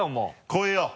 超えよう。